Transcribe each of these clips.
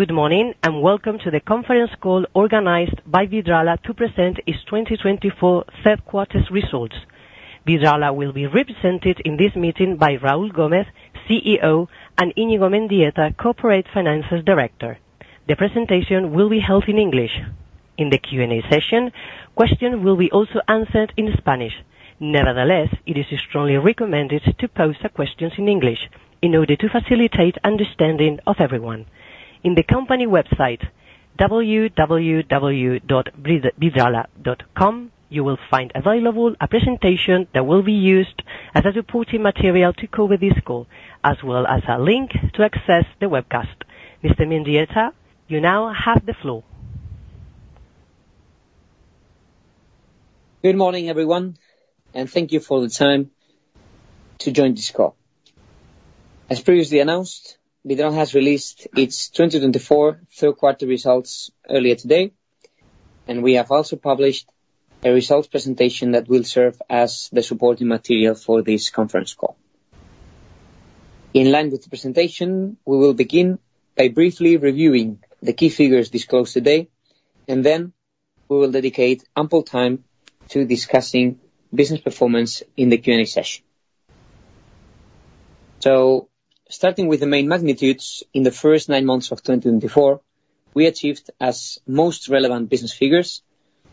Good morning, and welcome to the conference call organized by Vidrala to present its 2024 third quarter's results. Vidrala will be represented in this meeting by Raúl Gómez, CEO, and Íñigo Mendieta, Corporate Finances Director. The presentation will be held in English. In the Q&A session, questions will be also answered in Spanish. Nevertheless, it is strongly recommended to pose the questions in English in order to facilitate understanding of everyone. In the company website, www.vidrala.com, you will find available a presentation that will be used as a supporting material to cover this call, as well as a link to access the webcast. Mr. Mendieta, you now have the floor. Good morning, everyone, and thank you for the time to join this call. As previously announced, Vidrala has released its 2024 third quarter results earlier today, and we have also published a results presentation that will serve as the supporting material for this conference call. In line with the presentation, we will begin by briefly reviewing the key figures disclosed today, and then we will dedicate ample time to discussing business performance in the Q&A session. So starting with the main magnitudes, in the first nine months of 2024, we achieved as most relevant business figures,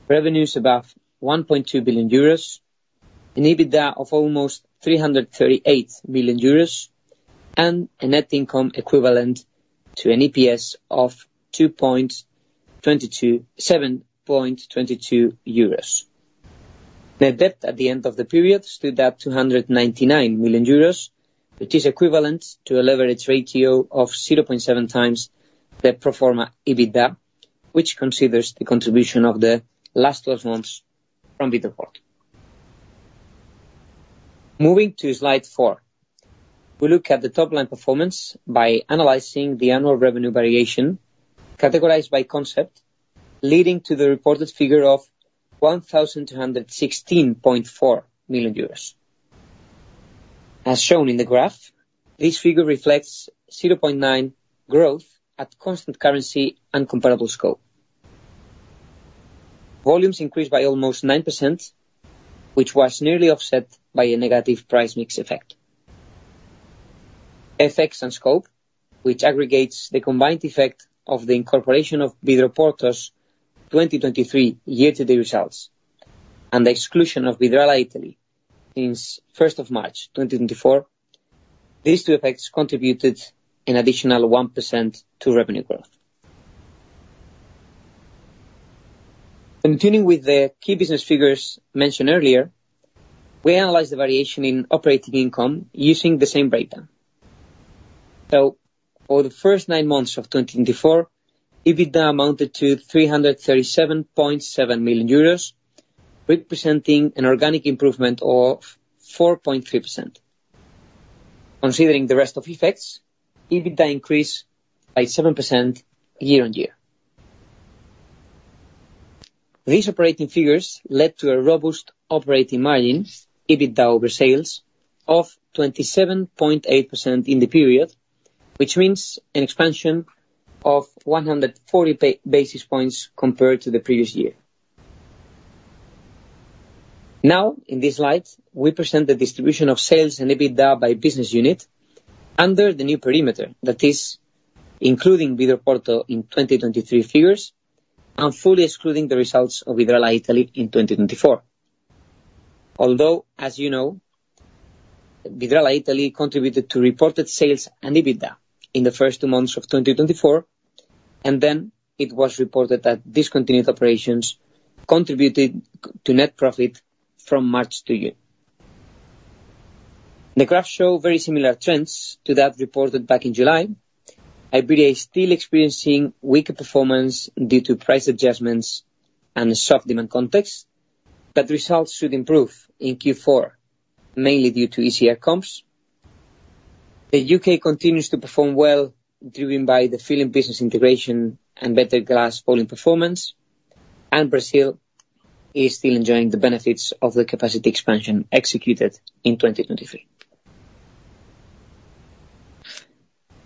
revenues above 1.2 billion euros, an EBITDA of almost 338 million euros, and a net income equivalent to an EPS of 2.72 euros. Net debt at the end of the period stood at 299 million euros, which is equivalent to a leverage ratio of 0.7x the pro forma EBITDA, which considers the contribution of the last twelve months from Vidroporto. Moving to slide four, we look at the top-line performance by analyzing the annual revenue variation, categorized by concept, leading to the reported figure of 1,216.4 million euros. As shown in the graph, this figure reflects 0.9% growth at constant currency and comparable scope. Volumes increased by almost 9%, which was nearly offset by a negative price mix effect. Effects and scope, which aggregates the combined effect of the incorporation of Vidroporto's 2023 year-to-date results and the exclusion of Vidrala Italy since first of March 2024, these two effects contributed an additional 1% to revenue growth. Continuing with the key business figures mentioned earlier, we analyze the variation in operating income using the same breakdown. So for the first nine months of 2024, EBITDA amounted to 337.7 million euros, representing an organic improvement of 4.3%. Considering the rest of effects, EBITDA increased by 7% year on year. These operating figures led to a robust operating margin, EBITDA over sales, of 27.8% in the period, which means an expansion of 140 basis points compared to the previous year. Now, in this slide, we present the distribution of sales and EBITDA by business unit under the new perimeter, that is, including Vidroporto in 2023 figures and fully excluding the results of Vidrala Italy in 2024. Although, as you know, Vidrala Italy contributed to reported sales and EBITDA in the first two months of 2024, and then it was reported that discontinued operations contributed to net profit from March to June. The graphs show very similar trends to that reported back in July. Iberia is still experiencing weaker performance due to price adjustments and soft demand context, but results should improve in Q4, mainly due to easier comps. The U.K. continues to perform well, driven by the filling business integration and better glass volume performance. And Brazil is still enjoying the benefits of the capacity expansion executed in 2023.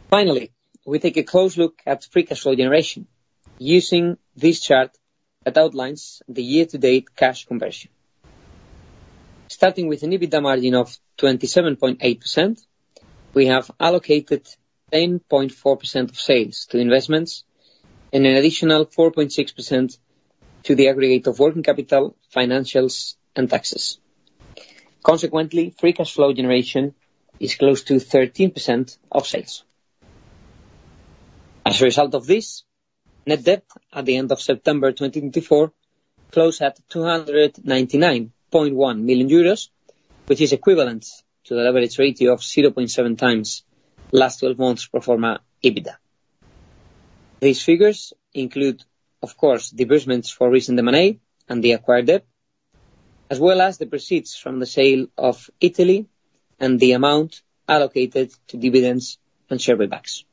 Finally, we take a close look at free cash flow generation using this chart that outlines the year-to-date cash conversion. Starting with an EBITDA margin of 27.8%, we have allocated 10.4% of sales to investments and an additional 4.6% to the aggregate of working capital, financials, and taxes. Consequently, free cash flow generation is close to 13% of sales. As a result of this, net debt at the end of September 2024 closed at 299.1 million euros, which is equivalent to the leverage ratio of 0.7x last twelve months pro forma EBITDA. These figures include, of course, disbursements for recent M&A and the acquired debt, as well as the proceeds from the sale of Italy and the amount allocated to dividends and share buybacks.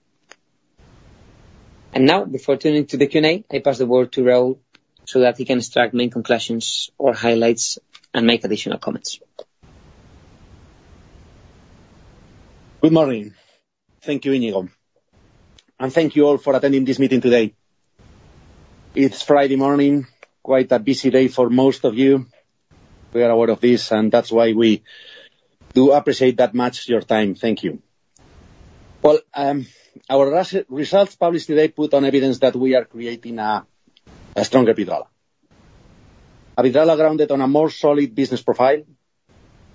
Now, before turning to the Q&A, I pass the word to Raúl so that he can extract main conclusions or highlights and make additional comments. Good morning. Thank you, Íñigo, and thank you all for attending this meeting today. It's Friday morning, quite a busy day for most of you. We are aware of this, and that's why we do appreciate that much your time. Thank you. Our results published today put on evidence that we are creating a stronger Vidrala. A Vidrala grounded on a more solid business profile,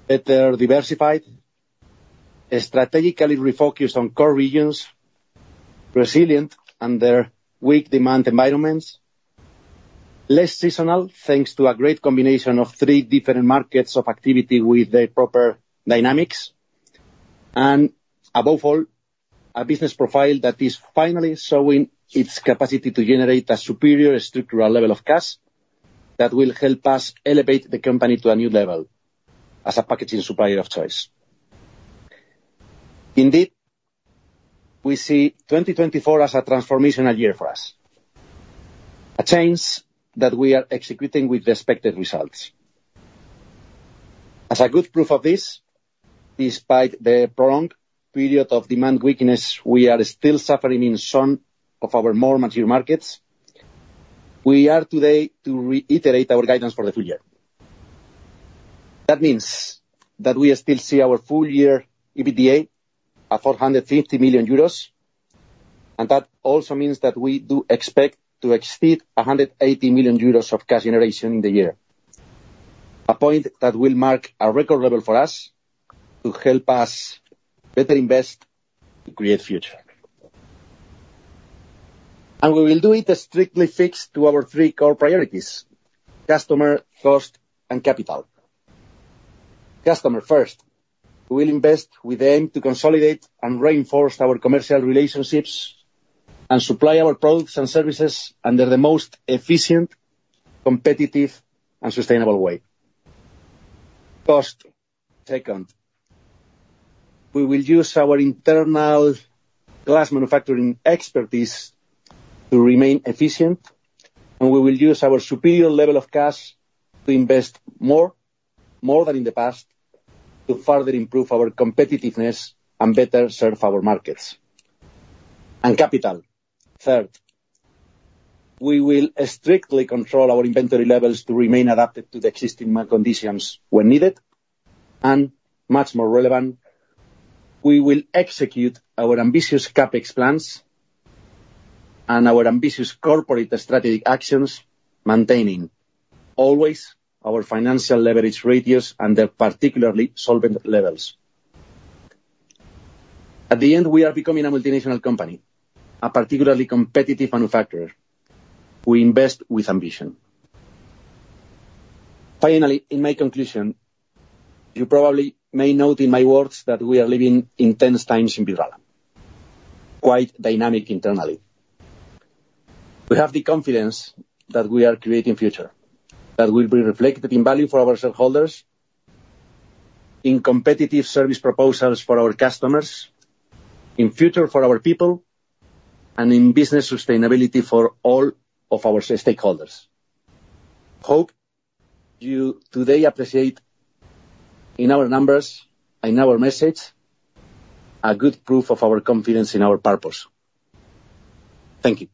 better diversified, strategically refocused on core regions, resilient under weak demand environments, less seasonal, thanks to a great combination of three different markets of activity with the proper dynamics, and above all, a business profile that is finally showing its capacity to generate a superior structural level of cash, that will help us elevate the company to a new level as a packaging supplier of choice. Indeed, we see 2024 as a transformational year for us, a change that we are executing with the expected results. As a good proof of this, despite the prolonged period of demand weakness, we are still suffering in some of our more mature markets. We are today to reiterate our guidance for the full year. That means that we still see our full year EBITDA at 450 million euros, and that also means that we do expect to exceed 180 million euros of cash generation in the year. A point that will mark a record level for us, to help us better invest, to create future, and we will do it strictly fixed to our three core priorities: customer, cost, and capital. Customer first, we will invest with aim to consolidate and reinforce our commercial relationships, and supply our products and services under the most efficient, competitive, and sustainable way. Cost, second, we will use our internal glass manufacturing expertise to remain efficient, and we will use our superior level of cash to invest more, more than in the past, to further improve our competitiveness and better serve our markets. And capital, third, we will strictly control our inventory levels to remain adapted to the existing market conditions when needed, and much more relevant, we will execute our ambitious CapEx plans and our ambitious corporate strategic actions, maintaining always our financial leverage ratios and their particularly solvent levels. At the end, we are becoming a multinational company, a particularly competitive manufacturer. We invest with ambition. Finally, in my conclusion, you probably may note in my words that we are living intense times in Vidrala, quite dynamic internally. We have the confidence that we are creating future, that will be reflected in value for our shareholders, in competitive service proposals for our customers, in future for our people, and in business sustainability for all of our stakeholders. Hope you today appreciate in our numbers, in our message, a good proof of our confidence in our purpose. Thank you.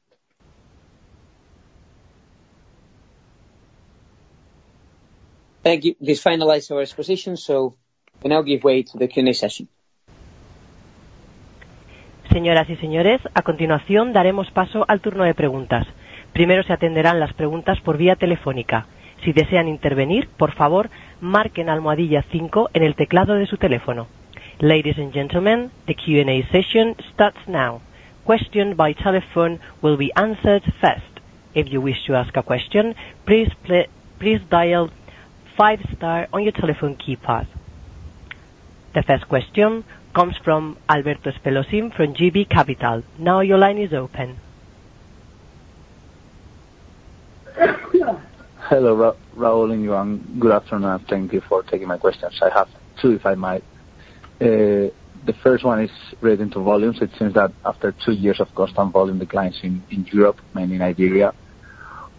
Thank you. This finalizes our exposition, so we now give way to the Q&A session. Ladies and gentlemen, the Q&A session starts now. Question by telephone will be answered first. If you wish to ask a question, please please dial five star on your telephone keypad. The first question comes from Alberto Espelosín from JB Capital. Now your line is open. Hello, Raúl and Joan. Good afternoon, and thank you for taking my questions. I have two, if I might. The first one is relating to volumes. It seems that after two years of constant volume declines in Europe, mainly Iberia,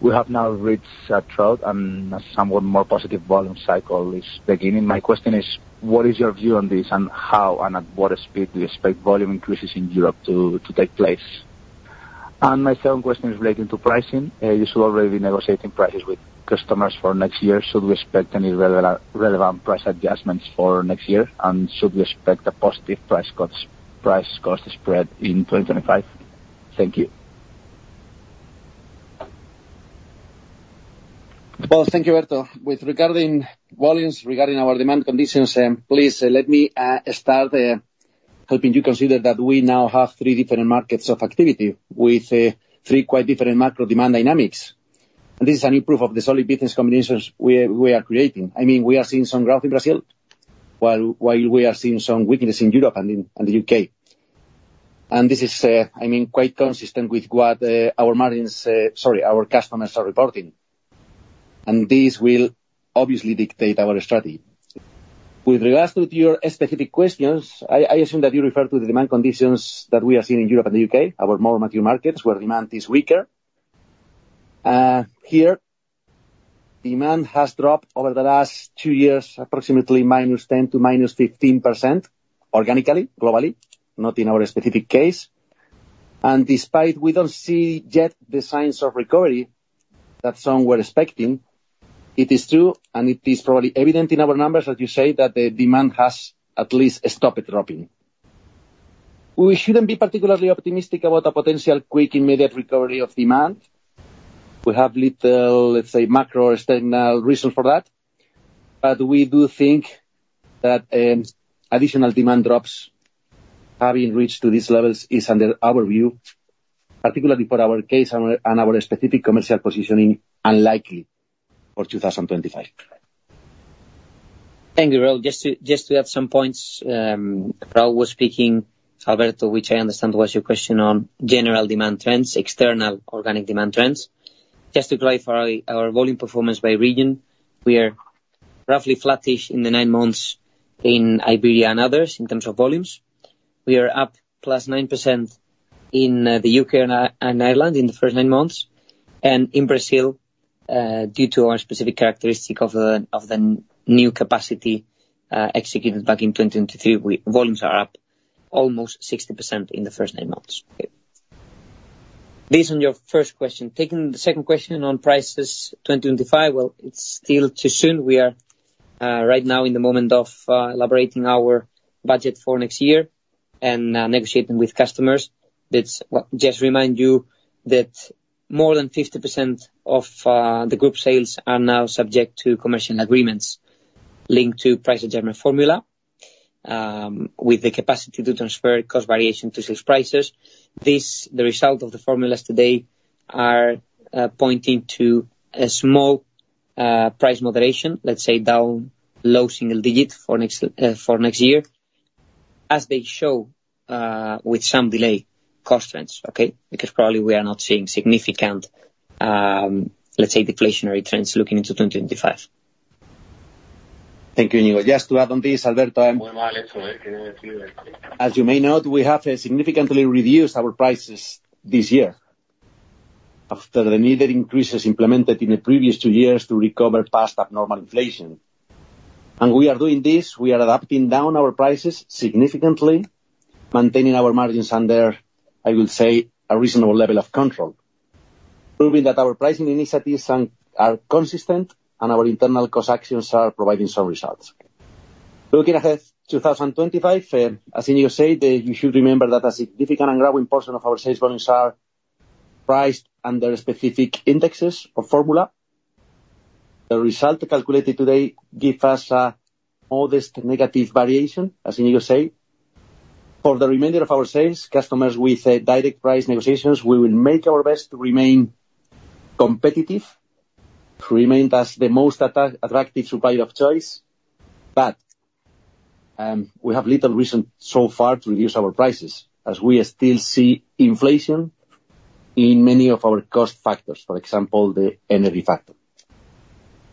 we have now reached a trough and a somewhat more positive volume cycle is beginning. My question is: What is your view on this, and how and at what speed do you expect volume increases in Europe to take place? And my second question is relating to pricing. You should already be negotiating prices with customers for next year. Should we expect any relevant price adjustments for next year? And should we expect a positive price-cost spread in 2025? Thank you. Well, thank you, Alberto. With regarding volumes, regarding our demand conditions, please, let me, start, helping you consider that we now have three different markets of activity, with, three quite different macro demand dynamics. And this is an improvement of the solid business combinations we are creating. I mean, we are seeing some growth in Brazil, while we are seeing some weakness in Europe and in and the U.K. And this is, I mean, quite consistent with what our customers are reporting, and this will obviously dictate our strategy. With regards to your specific questions, I assume that you refer to the demand conditions that we are seeing in Europe and the U.K., our more mature markets, where demand is weaker?... Here, demand has dropped over the last two years, approximately -10% to -15% organically, globally, not in our specific case. Despite we don't see yet the signs of recovery that some were expecting, it is true, and it is probably evident in our numbers, that you say that the demand has at least stopped dropping. We shouldn't be particularly optimistic about a potential quick, immediate recovery of demand. We have little, let's say, macro external reason for that, but we do think that additional demand drops having reached to these levels is, under our view, particularly for our case and our, and our specific commercial positioning, unlikely for 2025. Thank you, Raúl. Just to add some points, Raúl was speaking, Alberto, which I understand was your question on general demand trends, external organic demand trends. Just to clarify our volume performance by region, we are roughly flattish in the nine months in Iberia and others, in terms of volumes. We are up +9% in the U.K. and Ireland in the first nine months, and in Brazil, due to our specific characteristic of the new capacity executed back in 2023, volumes are up almost 60% in the first nine months. This on your first question. Taking the second question on prices, 2025, well, it's still too soon. We are right now in the moment of elaborating our budget for next year and negotiating with customers. That's well, just remind you that more than 50% of the group sales are now subject to commercial agreements linked to price determination formula with the capacity to transfer cost variation to sales prices. The result of the formulas today are pointing to a small price moderation, let's say, down low single digits for next year, as they show with some delay cost trends, okay? Because probably we are not seeing significant, let's say, deflationary trends looking into 2025. Thank you, Íñigo. Just to add on this, Alberto, as you may know, we have significantly reduced our prices this year after the needed increases implemented in the previous two years to recover past abnormal inflation, and we are doing this, we are adapting down our prices significantly, maintaining our margins under, I will say, a reasonable level of control, proving that our pricing initiatives are consistent, and our internal cost actions are providing some results. Looking ahead, 2025, as Íñigo said, you should remember that a significant and growing portion of our sales volumes are priced under specific indexes or formula. The result calculated today give us modest negative variation, as Íñigo say. For the remainder of our sales, customers with direct price negotiations, we will make our best to remain competitive, to remain as the most attractive supplier of choice, but we have little reason so far to reduce our prices, as we still see inflation in many of our cost factors, for example, the energy factor.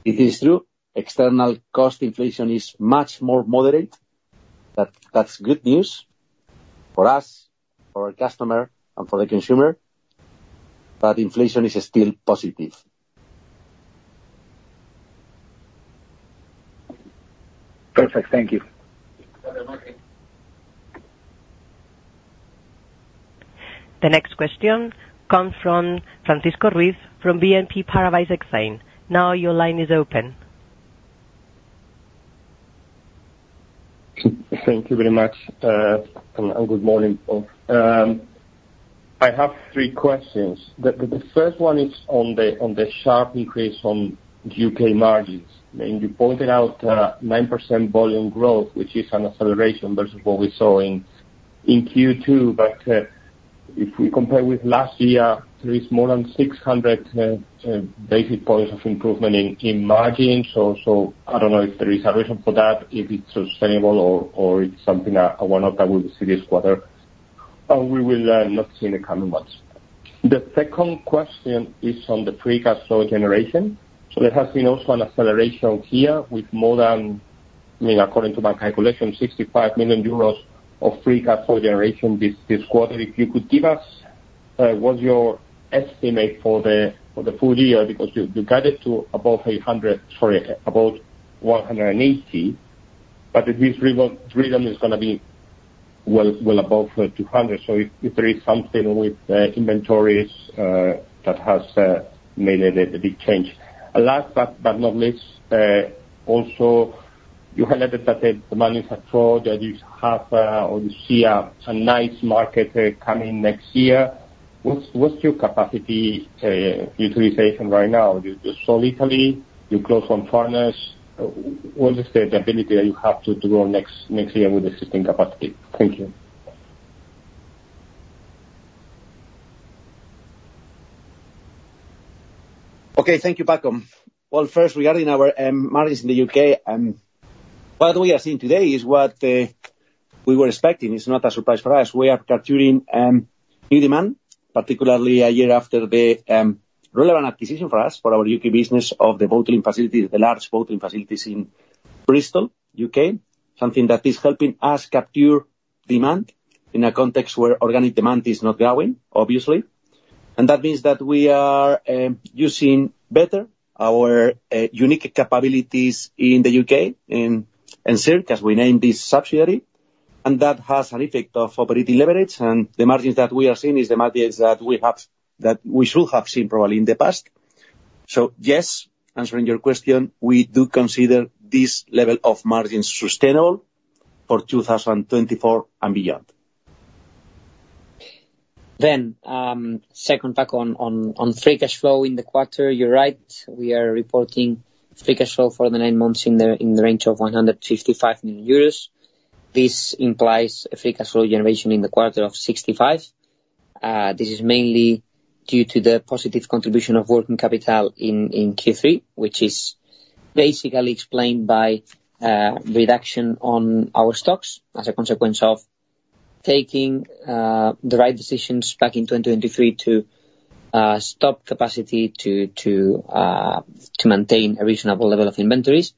It is true, external cost inflation is much more moderate, but that's good news for us, for our customer, and for the consumer, but inflation is still positive. Perfect. Thank you. The next question comes from Francisco Ruiz from BNP Paribas Exane. Now your line is open. Thank you very much, and good morning all. I have three questions. The first one is on the sharp increase on U.K. margins. I mean, you pointed out 9% volume growth, which is an acceleration versus what we saw in Q2, but if we compare with last year, there is more than 600 basis points of improvement in margins. So I don't know if there is a reason for that, if it's sustainable or it's something a one-off that we'll see this quarter, and we will not see in the coming months. The second question is on the free cash flow generation. So there has been also an acceleration here with more than, I mean, according to my calculation, 65 million euros of free cash flow generation this quarter. If you could give us what's your estimate for the full year, because you guided to above 800 million. Sorry, above 180 million, but it is reasonable, rhythm is gonna be well above 200 million. So if there is something with inventories that has made a big change. Last but not least, also you highlighted that the manufacturer that you have or you see a nice market coming next year, what's your capacity utilization right now? You saw Italy, you closed one furnace. What is the ability that you have to go next year with the existing capacity? Thank you. Okay, thank you, Paco. Well, first, regarding our margins in the U.K., what we are seeing today is what we were expecting. It's not a surprise for us. We are capturing new demand, particularly a year after the relevant acquisition for us, for our U.K. business of the bottling facility, the large bottling facilities in Bristol, U.K., something that is helping us capture demand in a context where organic demand is not growing, obviously, and that means that we are using better our unique capabilities in the U.K., in Encirc, as we name this subsidiary, and that has an effect of operating leverage, and the margins that we are seeing is the margins that we have, that we should have seen probably in the past. So, yes, answering your question, we do consider this level of margins sustainable for 2024 and beyond. Second, back on free cash flow in the quarter. You're right, we are reporting free cash flow for the nine months in the range of 155 million euros. This implies a free cash flow generation in the quarter of 65 million. This is mainly due to the positive contribution of working capital in Q3, which is basically explained by reduction on our stocks, as a consequence of taking the right decisions back in 2023 to stop capacity to maintain a reasonable level of inventories.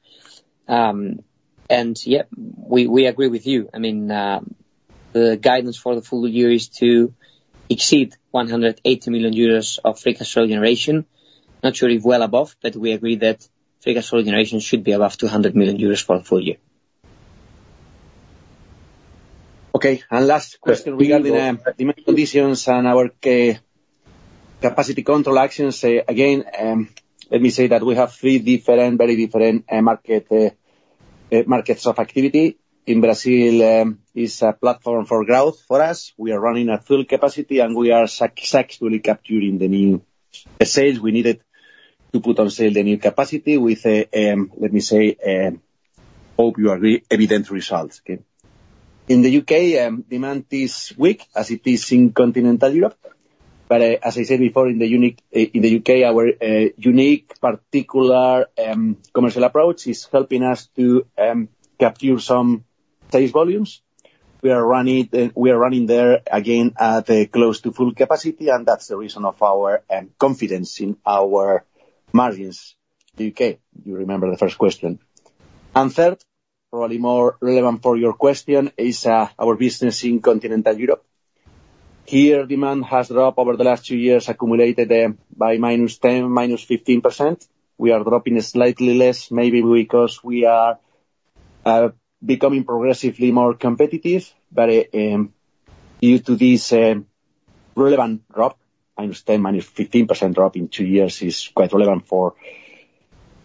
And yeah, we agree with you. I mean, the guidance for the full year is to exceed 180 million euros of free cash flow generation. Not sure if well above, but we agree that free cash flow generation should be above 200 million euros for a full year. Okay, and last question regarding conditions and our capacity control actions. Again, let me say that we have three different, very different markets of activity. In Brazil, it's a platform for growth for us. We are running at full capacity, and we are successfully capturing the new sales we needed to put on sale the new capacity with a, let me say, hope you agree, evident results, okay? In the U.K., demand is weak, as it is in Continental Europe. But, as I said before, in the U.K., our unique particular commercial approach is helping us to capture some sales volumes. We are running there again at close to full capacity, and that's the reason of our confidence in our margins in the U.K. You remember the first question, and third, probably more relevant for your question, is our business in Continental Europe. Here, demand has dropped over the last two years, accumulated by -10% to -15%. We are dropping slightly less, maybe because we are becoming progressively more competitive, but due to this relevant drop. I understand -15% drop in two years is quite relevant for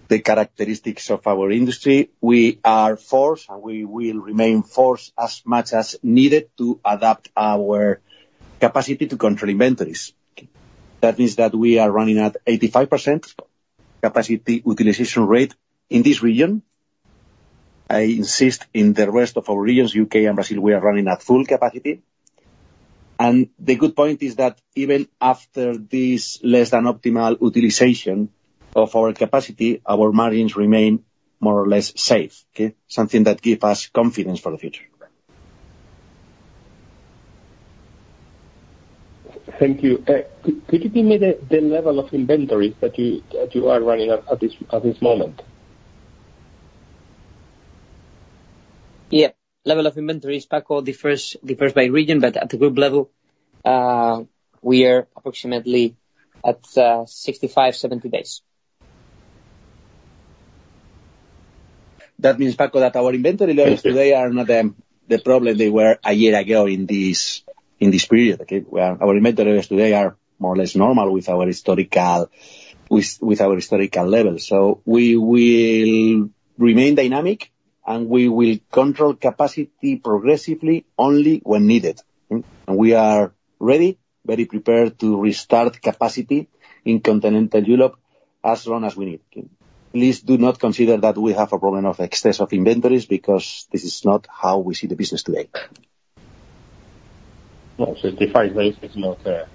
the characteristics of our industry. We are forced, and we will remain forced as much as needed, to adapt our capacity to control inventories. That means that we are running at 85% capacity utilization rate in this region. I insist, in the rest of our regions, U.K. and Brazil, we are running at full capacity. The good point is that even after this less than optimal utilization of our capacity, our margins remain more or less safe, okay? Something that give us confidence for the future. Thank you. Could you give me the level of inventories that you are running at this moment? Yeah. Level of inventories, Paco, differs by region, but at the group level, we are approximately at 65-70 days. That means, Paco, that our inventory levels today are not the problem they were a year ago in this period, okay? Where our inventory levels today are more or less normal with our historical levels. So we will remain dynamic, and we will control capacity progressively only when needed. And we are ready, very prepared to restart capacity in continental Europe as long as we need. Please do not consider that we have a problem of excess of inventories, because this is not how we see the business today. 65 days is not a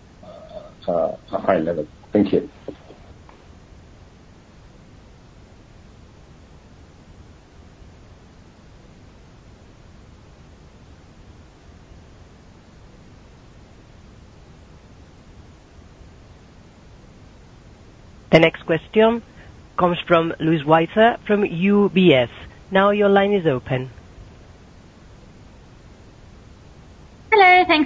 high level. Thank you. The next question comes from Louise Wiseur from UBS. Now your line is open.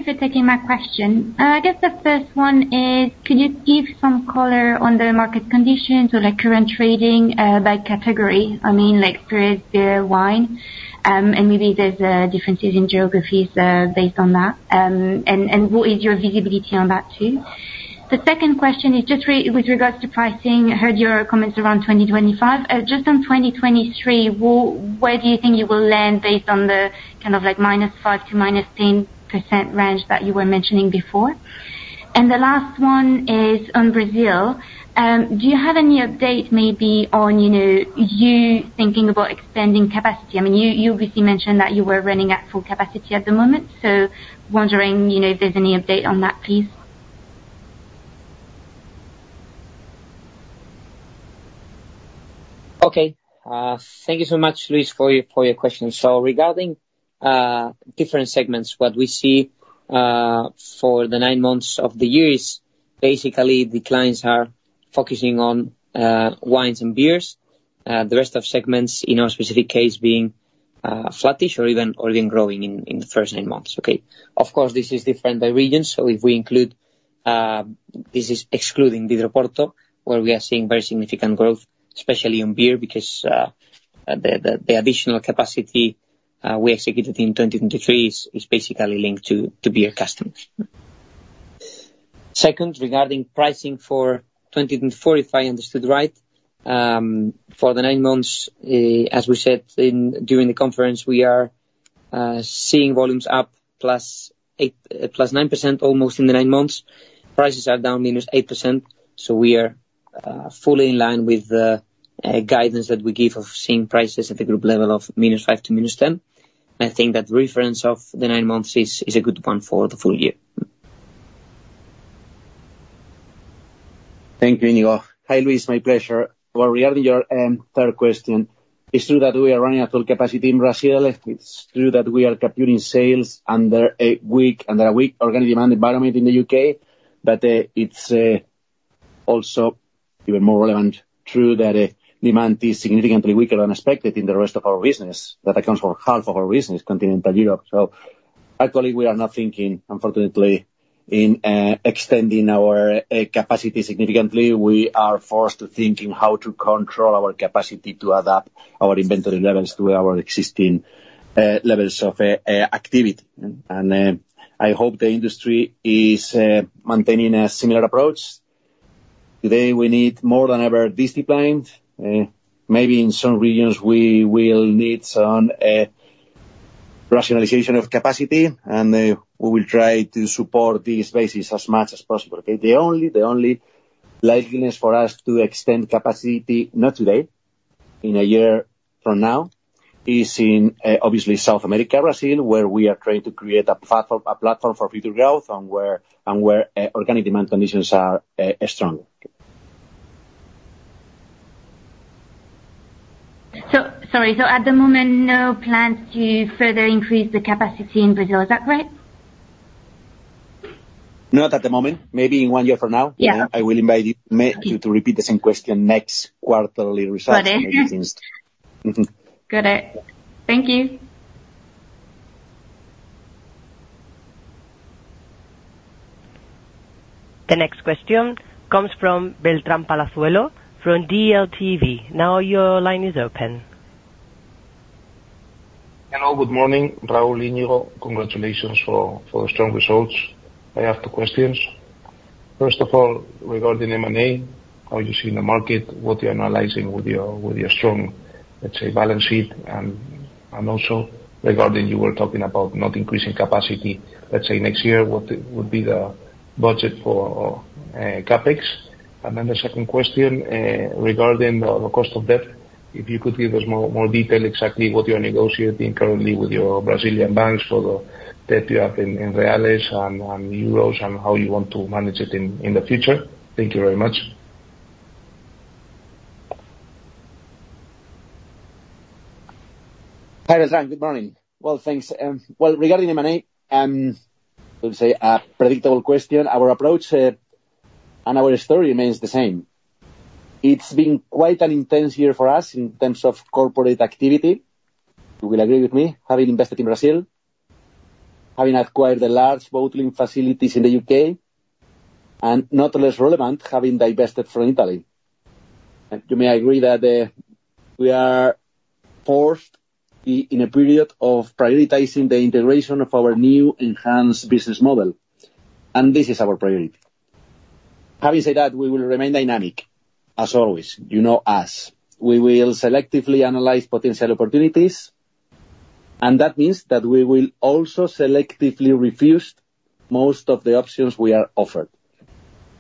Hello. Thanks for taking my question. I guess the first one is, could you give some color on the market conditions or the current trading, by category? I mean, like, spirits, beer, wine, and maybe there's differences in geographies, based on that. And what is your visibility on that, too? The second question is just with regards to pricing. I heard your comments around 2025. Just on 2023, where do you think you will land based on the kind of like -5% to -10% range that you were mentioning before? And the last one is on Brazil. Do you have any update maybe on, you know, you thinking about expanding capacity? I mean, you obviously mentioned that you were running at full capacity at the moment, so, wondering, you know, if there's any update on that, please? Okay. Thank you so much, Louise, for your questions. So regarding different segments, what we see for the nine months of the year is basically declines focusing on wines and beers. The rest of segments, in our specific case, being flattish or even growing in the first nine months, okay? Of course, this is different by regions, so this is excluding Vidroporto, where we are seeing very significant growth, especially on beer, because the additional capacity we executed in 2023 is basically linked to beer customers. Second, regarding pricing for 2024, if I understood right, for the nine months, as we said during the conference, we are seeing volumes up 8%-9% almost in the nine months. Prices are down -8%, so we are fully in line with the guidance that we give of seeing prices at the group level of -5% to -10%. I think that reference of the nine months is a good one for the full year. Thank you, Íñigo. Hi, Louise, my pleasure. Regarding your third question, it's true that we are running at full capacity in Brazil. It's true that we are computing sales under a weak organic demand environment in the U.K. But it's also even more relevant, true, that demand is significantly weaker than expected in the rest of our business. That accounts for half of our business, Continental Europe. So actually, we are not thinking, unfortunately, in extending our capacity significantly. We are forced to think in how to control our capacity to adapt our inventory levels to our existing levels of activity. And I hope the industry is maintaining a similar approach. Today, we need more than ever disciplined. Maybe in some regions, we will need some rationalization of capacity, and we will try to support these spaces as much as possible, okay? The only likelihood for us to extend capacity, not today, in a year from now, is in obviously South America, Brazil, where we are trying to create a platform for future growth and where organic demand conditions are strong. Sorry, so at the moment, no plans to further increase the capacity in Brazil, is that right? Not at the moment. Maybe in one year from now. Yeah. I will invite you to repeat the same question next quarterly results. Got it. Mm-hmm. Got it. Thank you. The next question comes from Beltrán Palazuelo, from DLTV. Now your line is open. Hello, good morning, Raúl, Íñigo. Congratulations for strong results. I have two questions. First of all, regarding M&A, how you see in the market, what you're analyzing with your strong, let's say, balance sheet? And also regarding, you were talking about not increasing capacity, let's say next year, what would be the budget for CapEx? And then the second question, regarding the cost of debt, if you could give us more detail, exactly what you are negotiating currently with your Brazilian banks for the debt you have in reals and euros, and how you want to manage it in the future? Thank you very much. Hi, Beltrán, good morning. Thanks, regarding M&A, let's say, a predictable question, our approach, and our story remains the same. It's been quite an intense year for us in terms of corporate activity. You will agree with me, having invested in Brazil, having acquired the large bottling facilities in the U.K., and not less relevant, having divested from Italy. You may agree that, we are forced in a period of prioritizing the integration of our new enhanced business model, and this is our priority. Having said that, we will remain dynamic, as always. You know us. We will selectively analyze potential opportunities, and that means that we will also selectively refuse most of the options we are offered.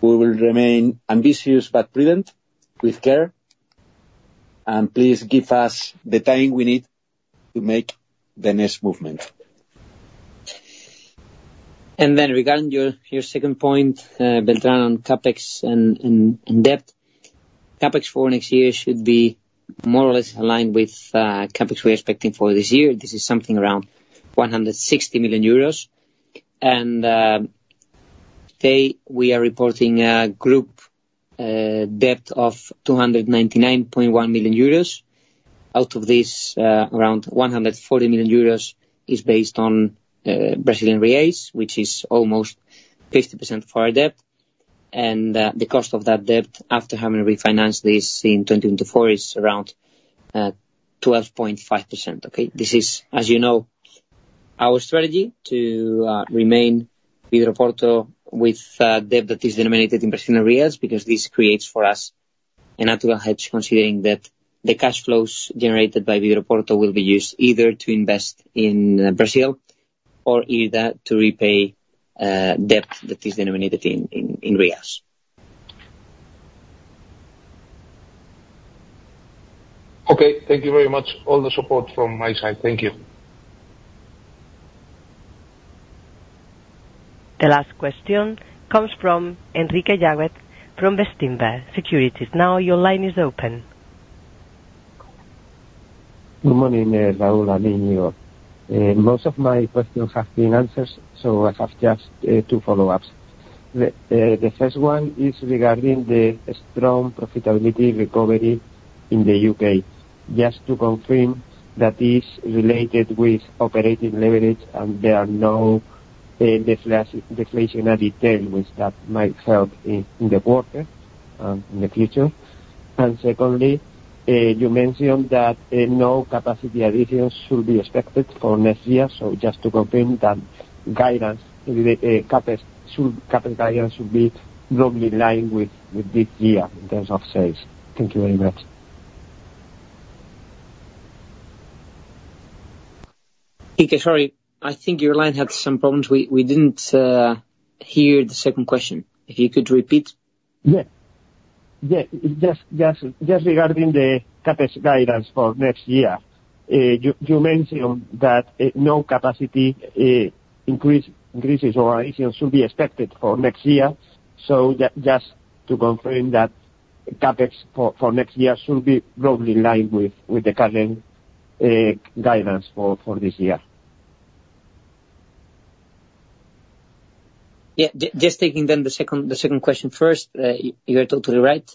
We will remain ambitious but prudent, with care, and please give us the time we need to make the next movement. And then regarding your second point, Beltrán, on CapEx and debt. CapEx for next year should be more or less aligned with CapEx we're expecting for this year. This is something around 160 million euros. And today, we are reporting a group debt of 299.1 million euros. Out of this, around 140 million euros is based on Brazilian reais, which is almost 50% for our debt. And the cost of that debt, after having refinanced this in 2024, is around 12.5%, okay? This is, as you know, our strategy to remain Vidroporto with debt that is denominated in Brazilian reais, because this creates for us a natural hedge, considering that the cash flows generated by Vidroporto will be used either to invest in Brazil or either to repay debt that is denominated in reais. Okay, thank you very much. All the support from my side. Thank you. The last question comes from Enrique Yáguez from Bestinver Securities. Now your line is open.... Good morning, Raúl, and Íñigo. Most of my questions have been answered, so I have just two follow-ups. The first one is regarding the strong profitability recovery in the U.K. Just to confirm that is related with operating leverage, and there are no deflationary tailwinds that might help in the quarter in the future? And secondly, you mentioned that no capacity additions should be expected for next year, so just to confirm that guidance, CapEx guidance should be broadly in line with this year in terms of sales. Thank you very much. Enrique, sorry, I think your line had some problems. We didn't hear the second question. If you could repeat? Yeah. Just regarding the CapEx guidance for next year, you mentioned that no capacity increases or additions should be expected for next year. So just to confirm that CapEx for next year should be broadly in line with the current guidance for this year. Yeah. Just taking then the second question first, you are totally right.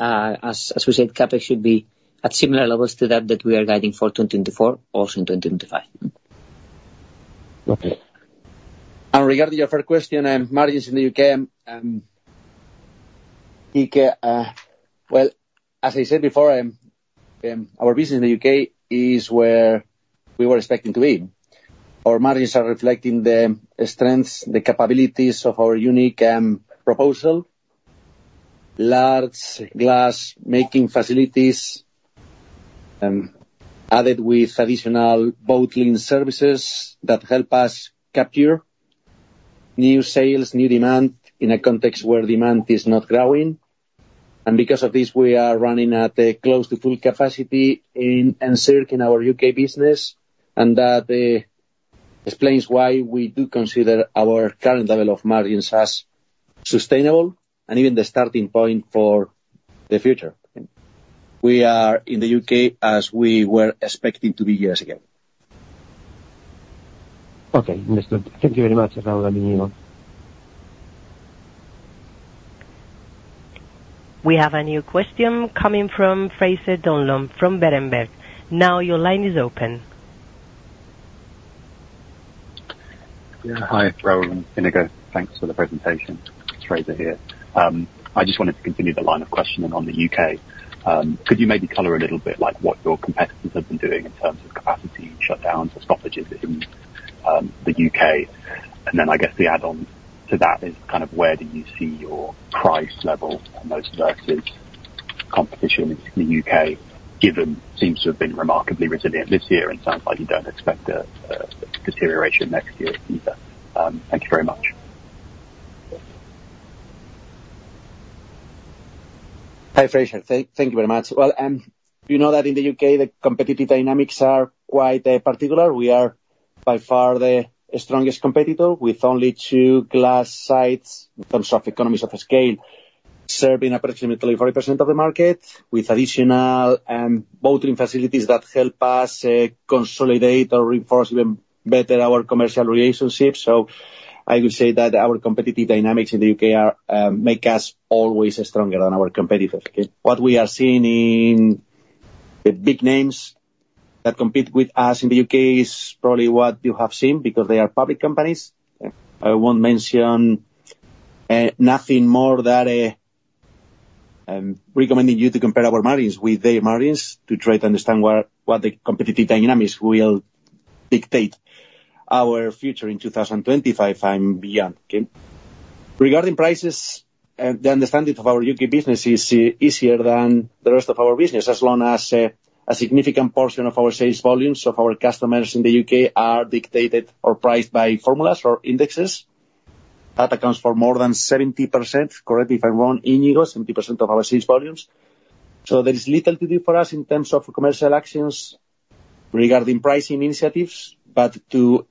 As we said, CapEx should be at similar levels to that we are guiding for 2024, also in 2025. Okay. Regarding your first question, margins in the U.K., like, well, as I said before, our business in the U.K. is where we were expecting to be. Our margins are reflecting the strengths, the capabilities of our unique proposal, large glass-making facilities, added with additional bottling services that help us capture new sales, new demand, in a context where demand is not growing. Because of this, we are running at close to full capacity in Encirc in our U.K. business, and that explains why we do consider our current level of margins as sustainable, and even the starting point for the future. We are in the U.K. as we were expecting to be years ago. Okay, understood. Thank you very much, Raúl, and Íñigo. We have a new question coming from Fraser Donlon, from Berenberg. Now your line is open. Yeah, hi, Raúl and Íñigo. Thanks for the presentation. It's Fraser here. I just wanted to continue the line of questioning on the U.K. Could you maybe color a little bit, like, what your competitors have been doing in terms of capacity shutdowns or stoppages in the U.K.? And then, I guess the add-on to that is kind of where do you see your price level on those versus competition in the U.K., given seems to have been remarkably resilient this year, and sounds like you don't expect a deterioration next year either. Thank you very much. Hi, Fraser. Thank you very much. Well, you know that in the U.K., the competitive dynamics are quite particular. We are by far the strongest competitor, with only two glass sites, in terms of economies of scale, serving approximately 40% of the market, with additional bottling facilities that help us consolidate or reinforce even better our commercial relationships. So I would say that our competitive dynamics in the U.K. make us always stronger than our competitors. Okay? What we are seeing in the big names that compete with us in the U.K. is probably what you have seen, because they are public companies. I won't mention nothing more than recommending you to compare our margins with their margins, to try to understand where what the competitive dynamics will dictate our future in 2025 and beyond, okay? Regarding prices, the understanding of our U.K. business is easier than the rest of our business, as long as a significant portion of our sales volumes of our customers in the U.K. are dictated or priced by formulas or indexes. That accounts for more than 70%, correct me if I'm wrong, Íñigo, 70% of our sales volumes. So there is little to do for us in terms of commercial actions regarding pricing initiatives, but to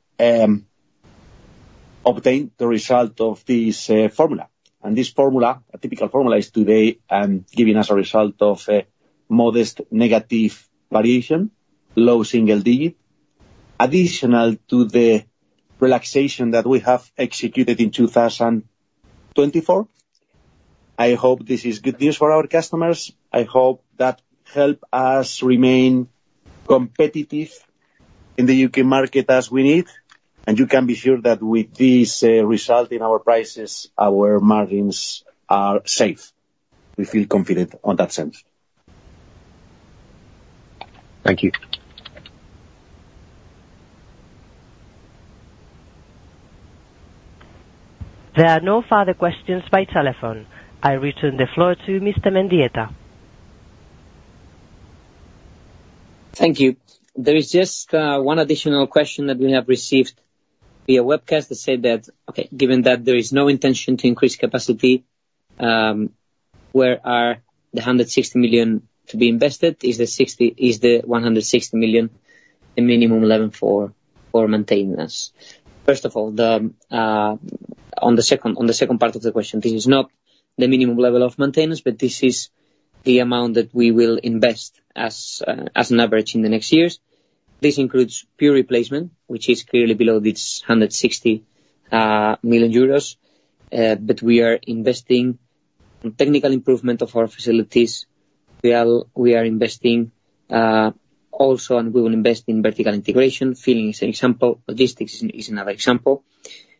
obtain the result of this formula. And this formula, a typical formula, is today giving us a result of a modest negative variation, low single digit, additional to the relaxation that we have executed in 2024. I hope this is good news for our customers. I hope that help us remain competitive in the U.K. market as we need, and you can be sure that with this, result in our prices, our margins are safe. We feel confident on that sense. Thank you. There are no further questions by telephone. I return the floor to Mr. Mendieta. Thank you. There is just one additional question that we have received via webcast, that said that, "Okay, given that there is no intention to increase capacity, where are the 160 million to be invested? Is the 160 million the minimum level for maintenance." First of all, on the second part of the question, this is not the minimum level of maintenance, but this is the amount that we will invest as an average in the next years. This includes pure replacement, which is clearly below this 160 million euros. But we are investing in technical improvement of our facilities. We are investing also, and we will invest in vertical integration. Filling is an example, logistics is another example.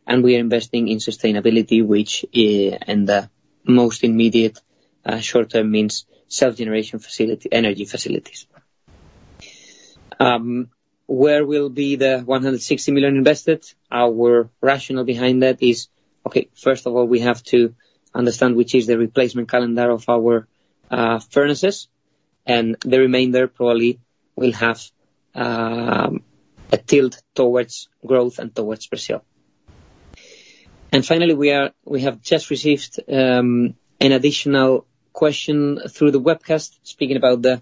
We are investing in sustainability, which in the most immediate short term means self-generation facility, energy facilities. Where will the 160 million be invested? Our rationale behind that is, okay, first of all, we have to understand which is the replacement calendar of our furnaces, and the remainder probably will have a tilt towards growth and towards Brazil. We have just received an additional question through the webcast, speaking about the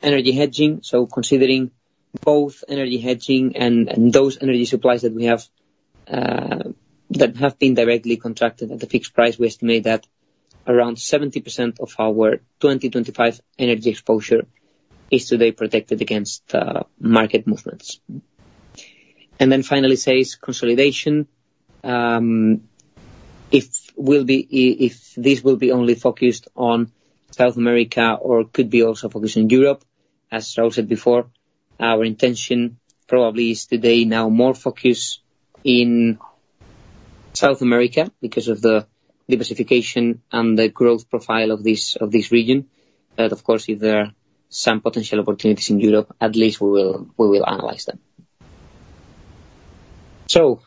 energy hedging. Considering both energy hedging and those energy supplies that we have that have been directly contracted at a fixed price, we estimate that around 70% of our 2025 energy exposure is today protected against market movements. Finally, says consolidation, if will be. If this will be only focused on South America or could be also focused in Europe? As I said before, our intention probably is today now more focused in South America because of the diversification and the growth profile of this, of this region, but of course, if there are some potential opportunities in Europe, at least we will analyze them. So,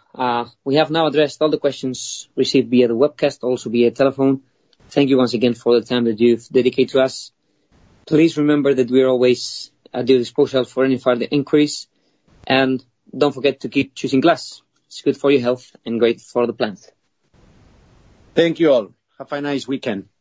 we have now addressed all the questions received via the webcast, also via telephone. Thank you once again for the time that you've dedicated to us. Please remember that we are always at your disposal for any further inquiries, and don't forget to keep choosing glass. It's good for your health and great for the planet. Thank you, all. Have a nice weekend.